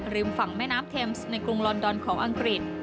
ฝั่งแม่น้ำเทมส์ในกรุงลอนดอนของอังกฤษ